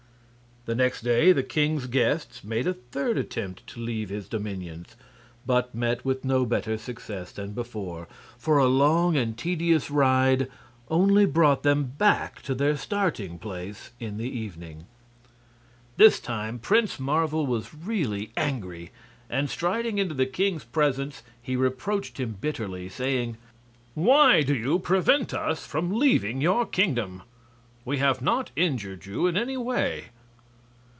The next day the king's guests made a third attempt to leave his dominions, but met with no better success than before, for a long and tedious ride only brought them back to their starting place in the evening. This time Prince Marvel was really angry, and striding into the king's presence he reproached him bitterly, saying: "Why do you prevent us from leaving your kingdom? We have not injured you in any way."